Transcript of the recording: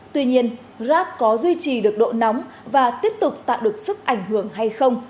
tuy nhiên grab có duy trì được độ nóng và tiếp tục tạo được sức ảnh hưởng hay không